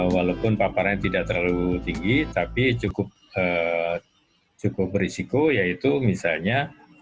walaupun paparannya tidak terlalu tinggi tapi cukup berisiko yaitu misalnya